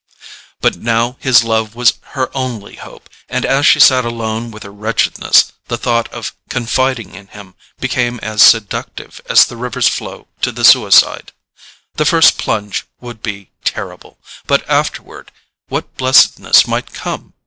But now his love was her only hope, and as she sat alone with her wretchedness the thought of confiding in him became as seductive as the river's flow to the suicide. The first plunge would be terrible—but afterward, what blessedness might come!